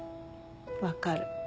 分かる。